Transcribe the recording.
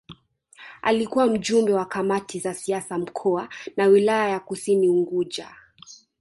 Alikuwa Mjumbe wa Kamati za Siasa Mkoa na Wilaya ya Kusini Unguja